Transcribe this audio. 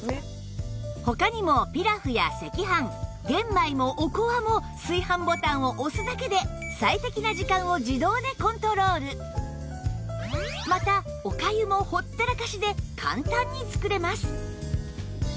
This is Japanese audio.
他にもピラフや赤飯玄米もおこわも炊飯ボタンを押すだけでまたおかゆもほったらかしで簡単に作れます